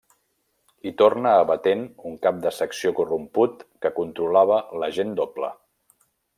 Hi torna abatent un cap de secció corromput que controlava l'agent doble.